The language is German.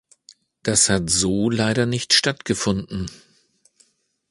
Das hat so leider nicht stattgefunden.